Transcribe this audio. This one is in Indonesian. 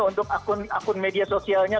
untuk akun media sosialnya